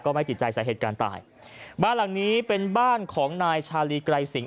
ไม่ติดใจสาเหตุการณ์ตายบ้านหลังนี้เป็นบ้านของนายชาลีไกรสิง